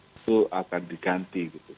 itu akan diganti gitu